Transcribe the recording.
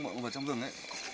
mọi động vật trong rừng ấy